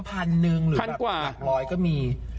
หรือแบบ๑๐๐ก็มี